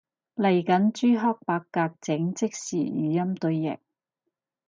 嚟緊朱克伯格整即時語音對譯